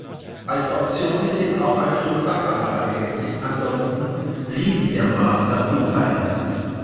Als Option ist jetzt auch eine Rückfahrkamera erhältlich, ansonsten blieb der Master unverändert.